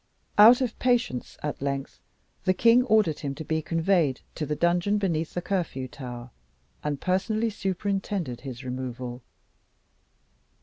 Out of patience, at length, the king ordered him to be conveyed to the dungeon beneath the Curfew Tower, and personally superintended his removal.